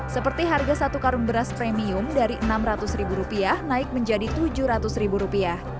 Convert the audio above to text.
seperti harga satu karung beras premium dari rp enam ratus naik menjadi rp tujuh ratus